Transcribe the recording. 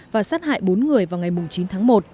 và sát hại bốn người vào ngày chín tháng một